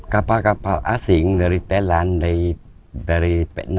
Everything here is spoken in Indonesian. kapal kapal asing dari telan dari p enam